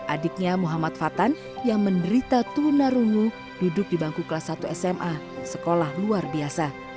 adiknya muhammad fatan yang menderita tunarungu duduk di bangku kelas satu sma sekolah luar biasa